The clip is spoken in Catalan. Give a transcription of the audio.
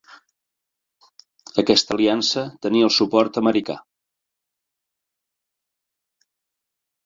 Aquesta aliança tenia el suport americà.